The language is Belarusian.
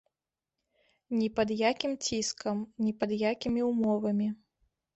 Ні пад якім ціскам, ні пад якімі ўмовамі.